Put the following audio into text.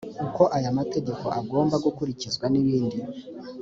uko aya mategeko agomba gukurikizwa n ibindi